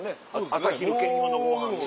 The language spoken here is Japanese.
朝昼兼用のご飯。